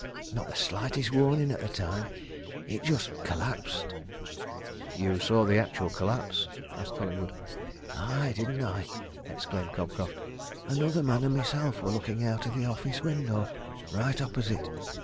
Not the slightest warning at the time. It just collapsed!" "You saw the actual collapse?" asked Collingwood. "Aye didn't I?" exclaimed Cobcroft. "Another man and myself were looking out of the office window, right opposite.